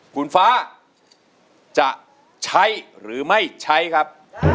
คุณฟ้าจะใช้หรือไม่ใช้ครับ